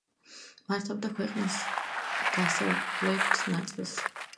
მართავდა ქვეყნის დასავლთ ნაწილს.